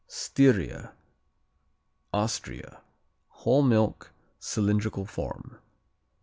Styria Austria Whole milk. Cylindrical form.